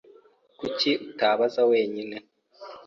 Kuki utabaza wenyine?